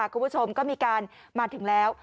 คุณผู้ชมก็มีการมาถึงแล้ว